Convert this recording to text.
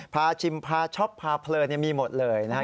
ชิมพาช็อปพาเพลินมีหมดเลยนะฮะ